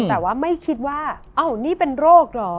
แต่ว่าไม่คิดว่าอ้าวนี่เป็นโรคเหรอ